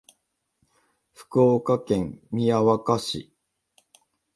福岡県宮若市